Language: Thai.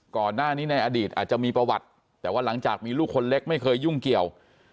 ก่อนหน้านี้ในอดีตอาจจะมีประวัติแต่ว่าหลังจากมีลูกคนเล็กไม่เคยยุ่งเกี่ยว